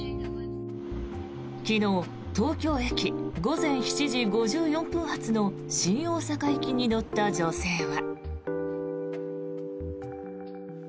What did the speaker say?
昨日、東京駅午前７時５４分発の新大阪行きに乗った女性は。